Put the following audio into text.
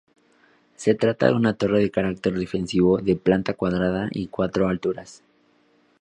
Se trata de una torre de carácter defensivo, de planta cuadrada y cuatro alturas.